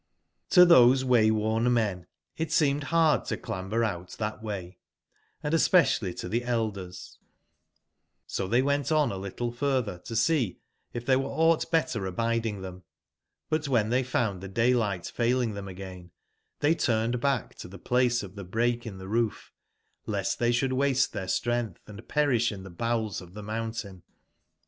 ^^^O those way /worn men it seemed bard to clam/ HP^ ber out that way, & especially to tbe Blders : i^^^ so they went on a little further to see if there 120 wcrcaugbtbcttcrabidingtbcm, butwbcntbcy found tbc dayligbt failing tbcm again, tbcy turned back to tbc place of tbe break in tbe roof, lest tbey sbould waste tbeir strengtb and perisb in tbe bowels of tbc mountain.